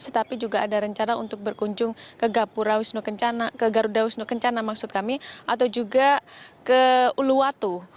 tetapi juga ada rencana untuk berkunjung ke garudaus nukencana atau juga ke uluwatu